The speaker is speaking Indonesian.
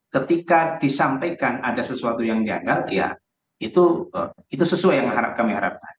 ketika disampaikan ada sesuatu yang gagal ya itu sesuai yang kami harapkan